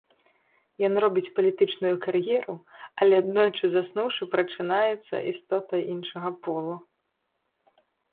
Ен робіць палітычную кар'еру, але, аднойчы заснуўшы, прачынаецца істотай іншага полу.